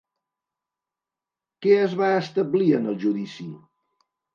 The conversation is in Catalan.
Què es va establir en el judici?